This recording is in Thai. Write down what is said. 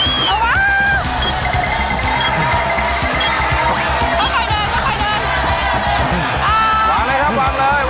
เขามีไหวเลย